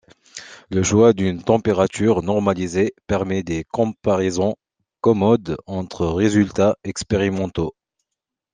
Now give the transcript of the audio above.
Le choix d'une température normalisée permet des comparaisons commodes entre résultats expérimentaux.